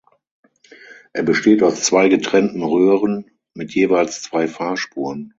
Er besteht aus zwei getrennten Röhren mit jeweils zwei Fahrspuren.